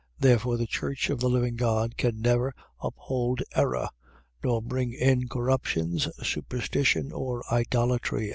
.. Therefore the church of the living God can never uphold error, nor bring in corruptions, superstition, or idolatry.